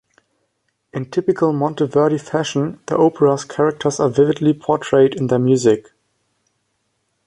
In typical Monteverdi fashion the opera's characters are vividly portrayed in their music.